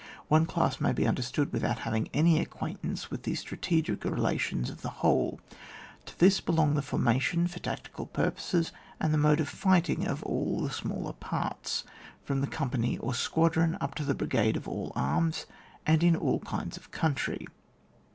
One class may be understood without having an acquaint ance with the strategic relations of the whole ; to this belong the formation for tactical purposes, and the mode of fight ing of all the smaller parts, from the company or squadron, up to a brigade of all arms, and in all kmds of country.